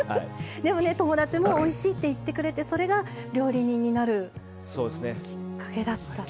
でも友達もおいしいって言ってくれてそれが、料理人になるきっかけだったと。